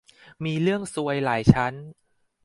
มีเรื่องซวยหลายชั้น